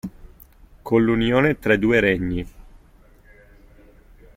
Con l'unione tra i due regni.